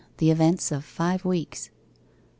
THE EVENTS OF FIVE WEEKS 1.